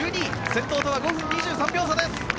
先頭とは５分２３秒差です。